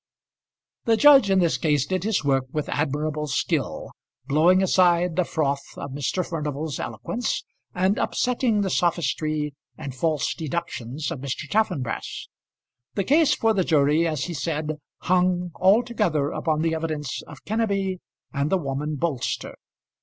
The judge in this case did his work with admirable skill, blowing aside the froth of Mr. Furnival's eloquence, and upsetting the sophistry and false deductions of Mr. Chaffanbrass. The case for the jury, as he said, hung altogether upon the evidence of Kenneby and the woman Bolster.